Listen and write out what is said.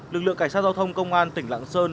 lực lượng cảnh sát giao thông công an tỉnh lạng sơn